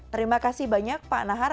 terima kasih banyak pak nahar